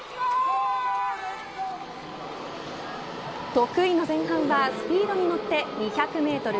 得意の前半はスピードに乗って２００メートル